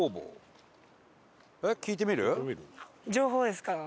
情報ですか？